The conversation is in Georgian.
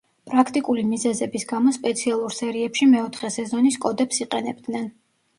პრაქტიკული მიზეზების გამო სპეციალურ სერიებში მეოთხე სეზონის კოდებს იყენებდნენ.